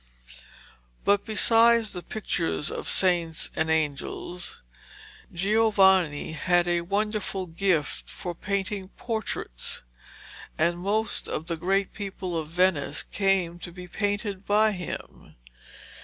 But besides the pictures of saints and angels, Giovanni had a wonderful gift for painting portraits, and most of the great people of Venice came to be painted by him.